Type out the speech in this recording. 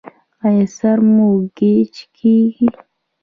ایا سر مو ګیچ کیږي؟